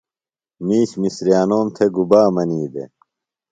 مِیش مِسریانوم تھےۡ گُبا منی دےۡ؟